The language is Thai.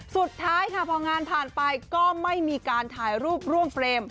สุดท้ายค่ะพองานผ่านไปก็ไม่มีการถ่ายรูปร่วมเฟรม